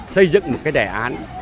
xây dựng một cái đề án